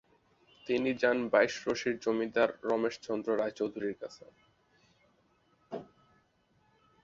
তিনি যান বাইশরশির জমিদার রমেশচন্দ্র রায় চৌধুরীর কাছে।